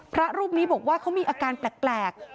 พระรูปนี้บอกว่าเขามีอาการแปลก